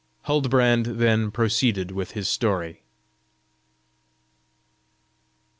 Huldbrand then proceeded with his story.